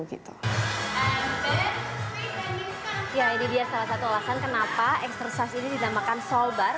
ya ini dia salah satu alasan kenapa eksersiasi ini dinamakan soul bar